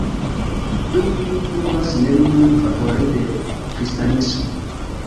Do ili pruvas nenion favore de kristanismo.